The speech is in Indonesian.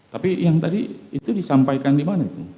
tapi yang tadi itu disampaikan di mana itu